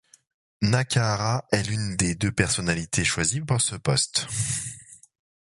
Nakahara est l'une des deux personnalités choisies pour ce poste.